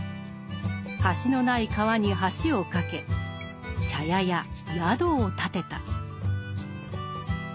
橋のない川に橋を架け茶屋や宿を建てた。